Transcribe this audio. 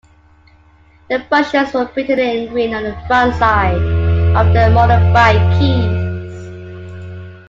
The functions were printed in green on the front side of the modified keys.